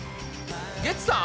ゲッツさん？